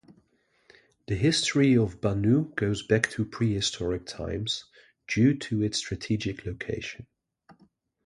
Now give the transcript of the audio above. The history of Bannu goes back to prehistoric times, due to its strategic location.